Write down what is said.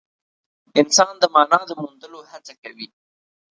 انسان د مانا د موندلو هڅه کوي.